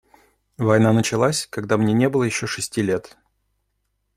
Война началась, когда мне не было еще шести лет.